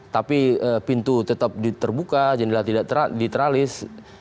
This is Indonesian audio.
tapi pintu tetap terbuka jendela tidak terlalu teralis